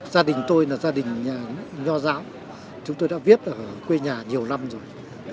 gia đình tôi là gia đình nhà nho giáo chúng tôi đã viết ở quê nhà nhiều năm rồi